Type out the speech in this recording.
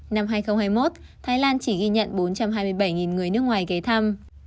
năm hai nghìn hai mươi một thái lan chỉ ghi nhận bốn trăm hai mươi bảy người nước ngoài ghé thăm